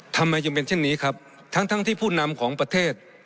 ทำไมจึงเป็นเช่นนี้ครับทั้งที่ผู้นำของประเทศ